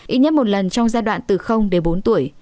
ít nhất một lần trong giai đoạn từ đến bốn tuổi